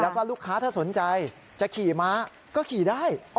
แล้วก็ลูกค้าถ้าสนใจจะขี่ม้าก็ขี่ได้